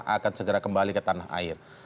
akan segera kembali ke tanah air